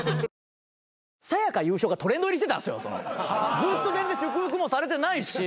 ずっと全然祝福もされてないし。